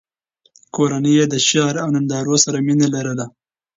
کورنۍ یې د شعر او نندارو سره مینه لرله.